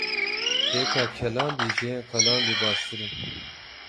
Hêka kelandî ji yên qelandî baştir in.